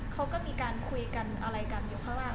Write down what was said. เขาก็มีการคุยกันอะไรกันอยู่ข้างล่าง